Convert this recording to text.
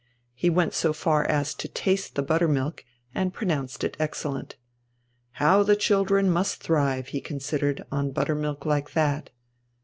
He went so far as to taste the buttermilk, and pronounced it excellent. How the children must thrive, he considered, on buttermilk like that.